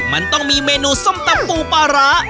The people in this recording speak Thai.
มันต้องมีเมนูส้มตำปูปลาร้า